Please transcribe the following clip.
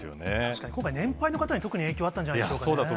確かに、今回、年配の方に特に影響があったんじゃないでしょうかね。